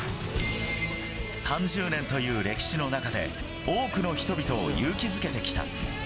３０年という歴史の中で、多くの人々を勇気づけてきた。